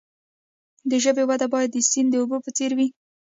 د ژبې وده باید د سیند د اوبو په څیر وي.